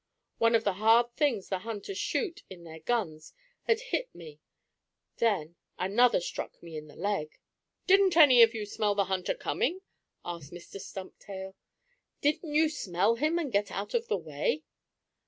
One of the hard things the hunters shoot in their guns had hit me. Then another struck me in the leg." "Didn't any of you smell the hunter coming?" asked Mr. Stumptail. "Didn't you smell him and get out of the way?"